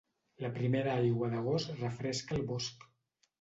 La primera aigua d'agost refresca el bosc.